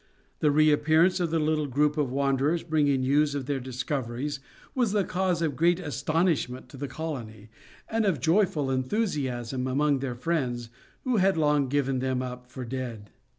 The reappearance of the little group of wanderers bringing news of their discoveries, was the cause of great astonishment in the colony, and of joyful enthusiasm among their friends, who had long given them up for dead.